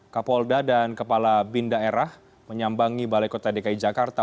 kapolda dan kepala bindaerah menyambangi balai kota dki jakarta